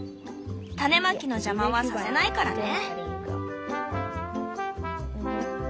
種まきの邪魔はさせないからね。